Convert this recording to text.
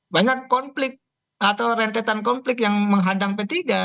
banyak konflik atau rentetan konflik yang menghadang p tiga